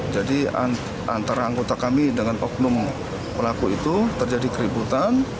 jadi antara anggota kami dengan oknum pelaku itu terjadi keributan